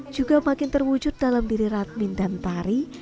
juga makin terwujud dalam diri radmin dan tari